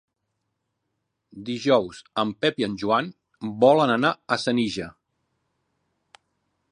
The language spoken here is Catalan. Dijous en Pep i en Joan volen anar a Senija.